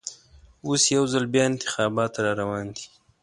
اوس یوځل بیا انتخابات راروان دي.